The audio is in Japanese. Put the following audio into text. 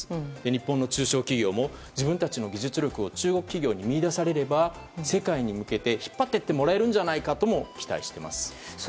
日本の中小企業も自分たちの技術力を中国企業に見いだされれば世界に向けて引っ張っていってもらえるんじゃないかと期待しています。